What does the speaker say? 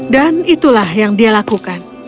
dan itulah yang dia lakukan